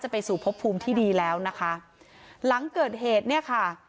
ไปสู่พบภูมิที่ดีแล้วนะคะหลังเกิดเหตุเนี่ยค่ะ